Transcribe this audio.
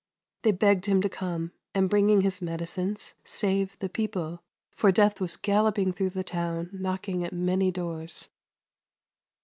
They begged him to come, and, bringing his medicines, save the people, for death was galloping through the town, knocking at many doors.